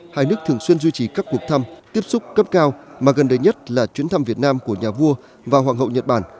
hai nước thường xuyên duy trì các cuộc thăm tiếp xúc cấp cao mà gần đây nhất là chuyến thăm việt nam của nhà vua và hoàng hậu nhật bản